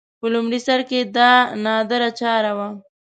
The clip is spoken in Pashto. په لومړي سر کې دا نادره چاره وه